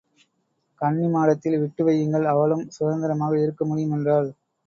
கன்னி மாடத்தில் விட்டு வையுங்கள் அவளும் சுதந்திரமாக இருக்கமுடியும் என்றாள்.